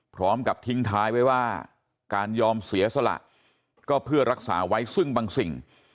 พร้อมกับทิ้งท้ายไว้ว่าการยอมเสียสละก็เพื่อรักษาไว้ซึ่งบางสิ่ง